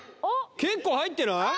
結構入ってない？